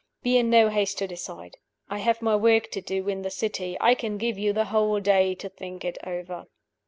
Be in no haste to decide. I have my work to do in the city I can give you the whole day to think it over."